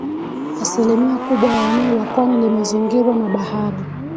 Asilimia kubwa ya eneo la pwani limezingirwa na bahari.